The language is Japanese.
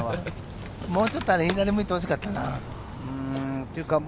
もうちょっと左を向いてほしかったな。